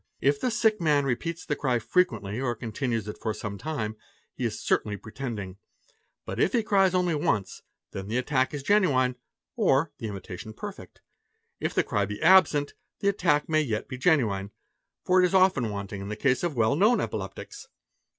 It the sick man repeats the ery frequently or continues it for some time, he is" certainly pretending; but if he cries out only once, then the attack is genuine or the imitation perfect; if the ery be absent, the attack may yet be genuine, for it is often wanting in the case of well known epileptics.